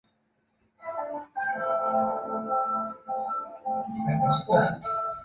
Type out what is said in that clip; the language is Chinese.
香港艺术发展局亦有定期资助多个文学出版和推广计划。